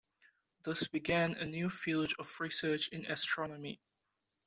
Thus began a new field of research in astronomy.